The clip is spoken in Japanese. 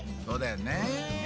そうだよね。